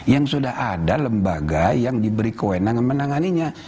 yang sudah ada lembaga yang diberi kewenangan menanganinya